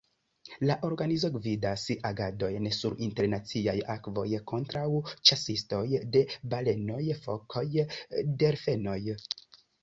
La organizo gvidas agadojn sur internaciaj akvoj kontraŭ ĉasistoj de balenoj, fokoj, delfenoj.